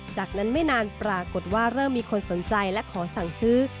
จากนั้นไม่นานปรากฏว่าเริ่มมีคนสนใจและขอสั่งซื้อ